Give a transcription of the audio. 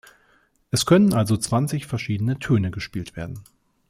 Es können also zwanzig verschiedene Töne gespielt werden.